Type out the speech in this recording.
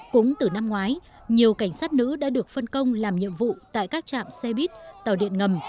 cũng từ năm ngoái nhiều cảnh sát nữ đã được phân công làm nhiệm vụ tại các trạm xe buýt tàu điện ngầm